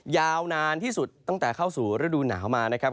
ยาวนานที่สุดตั้งแต่เข้าสู่ฤดูหนาวมานะครับ